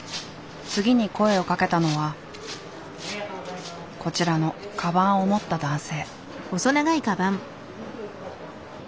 次に声をかけたのはこちらのカバンを持った男性。